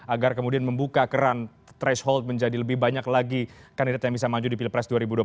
agar kemudian membuka keran threshold menjadi lebih banyak lagi kandidat yang bisa maju di pilpres dua ribu dua puluh empat